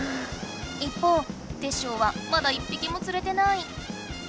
一方テッショウはまだ１ぴきもつれてない。